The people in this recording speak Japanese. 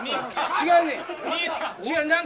違うんねん。